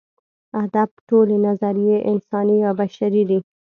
ادب ټولې نظریې انساني یا بشري دي.